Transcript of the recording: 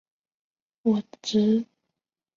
我直接上网网购